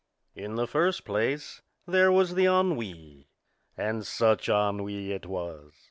In the first place, there was the ennui. And such ennui as it was!